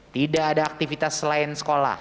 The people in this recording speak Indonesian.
tidak ada aktivitas selain sekolah